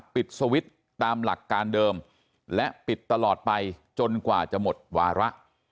ปิดสวิตช์ตามหลักการเดิมและปิดตลอดไปจนกว่าจะหมดวาระ